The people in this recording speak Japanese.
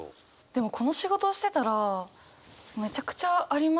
でもこの仕事をしてたらめちゃくちゃありますね。